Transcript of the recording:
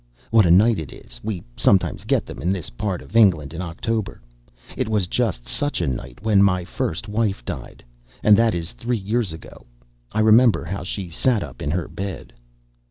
What a night it is; we sometimes get them in this part of England in October. It was just such a night when my first wife died, and that is three years ago. I remember how she sat up in her bed.